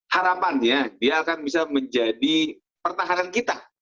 harapannya dia akan bisa menjadi pertahanan kita